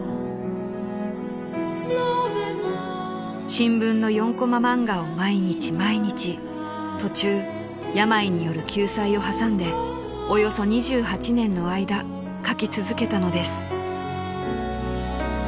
［新聞の４こま漫画を毎日毎日途中病による休載を挟んでおよそ２８年の間描き続けたのです］